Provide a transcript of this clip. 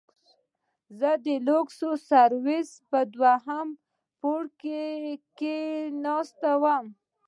زه د لوکس سرويس په دويم پوړ کښې بستر وم.